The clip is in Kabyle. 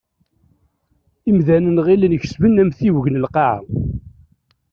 Imdanen ɣillen kesben amtiweg n Lqaεa.